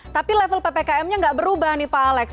tapi level ppkm nya nggak berubah nih pak alex